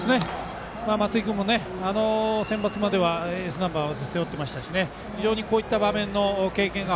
松井君もセンバツまではエースナンバーを背負ってましたし非常にこういった場面の経験が